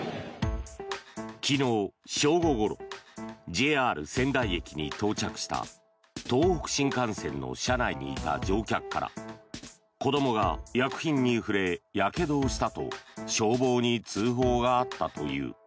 昨日正午ごろＪＲ仙台駅に到着した東北新幹線の車内にいた乗客から子どもが薬品に触れやけどをしたと消防に通報があったという。